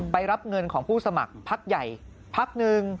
รับเงินของผู้สมัครพักใหญ่พักหนึ่ง